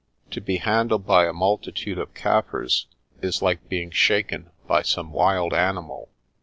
To be handled by a multitude of Kaffirs is like being shaken by some wild animal.